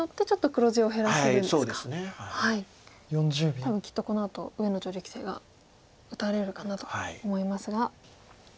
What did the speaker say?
多分きっとこのあと上野女流棋聖が打たれるかなと思いますが。